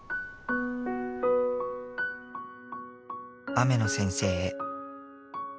「雨野先生へ」